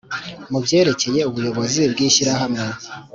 mu byerekeye ubuyobozi bwishyirahamwe